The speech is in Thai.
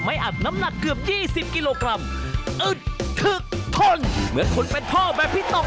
ค่าทุกอย่างก็เกือบหมื่นนะครับค่าทุกอย่างก็เกือบหมื่นนะครับ